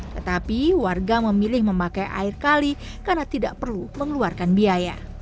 tetapi warga memilih memakai air kali karena tidak perlu mengeluarkan biaya